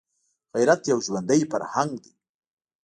غیرت یو ژوندی فرهنګ دی